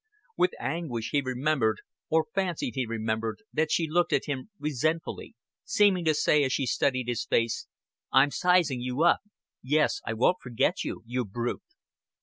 With anguish he remembered, or fancied he remembered, that she had looked at him resentfully seeming to say as she studied his face. "I'm sizing you up. Yes, I won't forget you you brute."